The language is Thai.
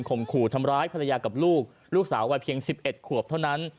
ขู่ทำร้ายภรรยากับลูกลูกสาววัยเพียง๑๑ขวบเท่านั้น